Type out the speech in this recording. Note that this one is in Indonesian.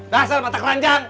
dasar mata kelanjang